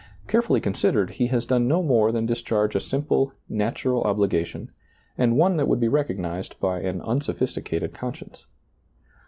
Carefully considered, he has done no more than discharge a simple, natural obligation and one that would be recognized by an unsophisticated conscience.